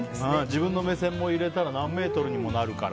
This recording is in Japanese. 自分の目線も入れたら何メートルにもなるから。